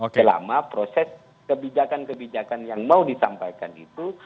selama proses kebijakan kebijakan yang mau disampaikan itu